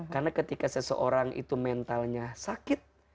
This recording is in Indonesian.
karena ketika seseorang itu mentalnya sakit